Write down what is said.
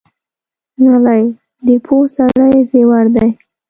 غلی، د پوه سړي زیور دی.